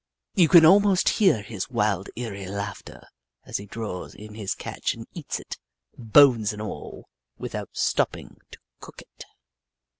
You can almost hear his wild eerie laughter as he draws in his catch and eats it, bones and all, without stopping to cook it.